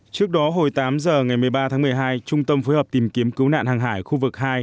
trước đó hồi tám giờ ngày một mươi ba tháng một mươi hai trung tâm phối hợp tìm kiếm cứu nạn hàng hải khu vực hai